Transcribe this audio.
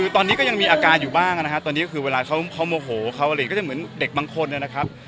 ตอนนี้ยังมีอาการอยู่บ้างเวลาเขาโมโหเขาจะเหมือนเด็กบางคนนะครับ